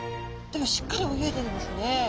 でもしっかり泳いでるんですね。